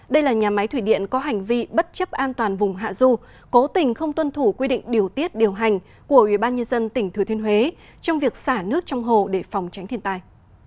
đây là nhà máy thủy điện có hành vi bất chấp an toàn vùng hạ du cố tình không tuân thủ quy định điều tiết điều hành của ubnd tỉnh thừa thiên huế trong việc xả nước trong hồ để phòng tránh thiên tai